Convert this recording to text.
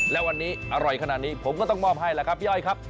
และวันนี้อร่อยขนาดนี้ผมก็ต้องมอบให้แหละครับพี่อ้อยครับ